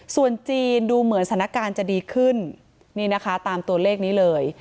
ส่วนจีนดูเหมือนสถานการณ์จะดีขึ้นนี่นะคะตามตัวเลขนี้เลย